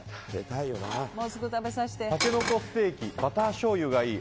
タケノコステーキバターしょうゆがいい。